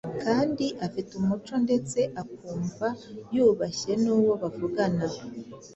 kandi afite umuco ndetse ukumva yubashye n’uwo bavugana.